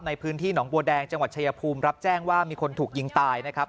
ในพื้นที่หนองบัวแดงจังหวัดชายภูมิรับแจ้งว่ามีคนถูกยิงตายนะครับ